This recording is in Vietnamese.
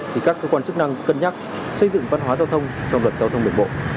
thì các cơ quan chức năng cân nhắc xây dựng văn hóa giao thông trong luật giao thông đường bộ